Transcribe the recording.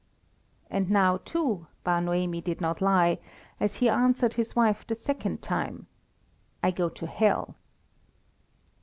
And now, too, Bar Noemi did not lie, as he answered his wife the second time "I go to hell!"